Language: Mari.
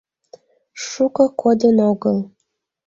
Шуко кодын огыл.